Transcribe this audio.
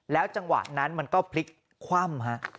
แล้วจังหวะนั้นมันก็พลิกคว่ำครับ